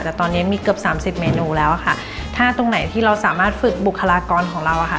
แต่ตอนนี้มีเกือบสามสิบเมนูแล้วอะค่ะถ้าตรงไหนที่เราสามารถฝึกบุคลากรของเราอะค่ะ